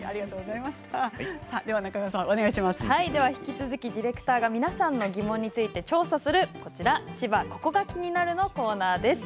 引き続きディレクターが皆さんの疑問について調査する千葉、ここが気になるのコーナーです。